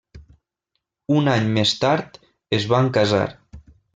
Un any més tard es van casar.